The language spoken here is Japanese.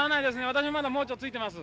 私まだ盲腸ついてます。